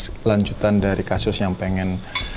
kelanjutan dari kasus yang pengen